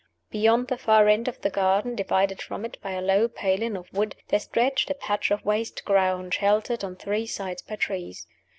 Beyond the far end of the garden, divided from it by a low paling of wood, there stretched a patch of waste ground, sheltered on three sides by trees.